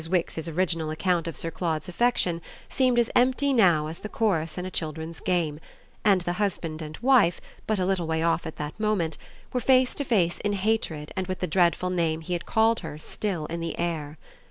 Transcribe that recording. Wix's original account of Sir Claude's affection seemed as empty now as the chorus in a children's game, and the husband and wife, but a little way off at that moment, were face to face in hatred and with the dreadful name he had called her still in the air.